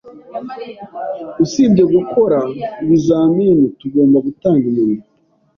Usibye gukora ibizamini, tugomba gutanga inyandiko.